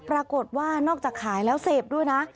ปรากฏว่านอกจากขายแล้วเสพด้วยนะ